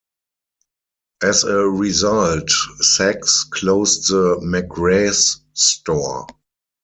As a result, Saks closed the McRae's store.